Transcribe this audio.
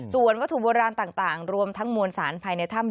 ส่วนวัตถุโบราณต่างรวมทั้งมวลสารภายในถ้ำ